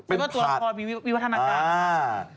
เป็นผาดมันก็ตัวพรวมวิวัฒนาการ